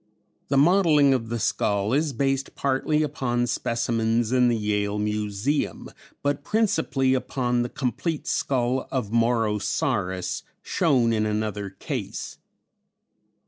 The modelling of the skull is based partly upon specimens in the Yale Museum, but principally upon the complete skull of Morosaurus shown in another case.